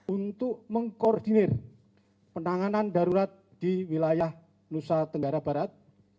untuk mengkoordinir penanganan darurat di wilayah nusa tenggara barat